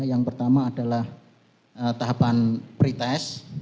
yang pertama adalah tahapan pretest